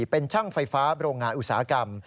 เป็นช่างไฟฟ้าโรงงานอุตสาหกรรม